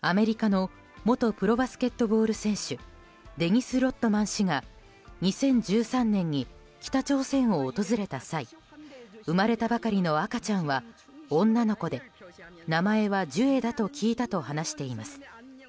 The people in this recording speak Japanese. アメリカの元プロバスケットボール選手デニス・ロッドマン氏が２０１３年に北朝鮮を訪れた際生まれたばかりの赤ちゃんは女の子で名前はジュエだと聞いたと話しています。